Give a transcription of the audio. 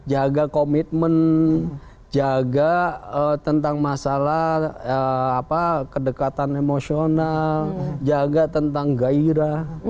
jaga komitmen jaga tentang masalah kedekatan emosional jaga tentang gairah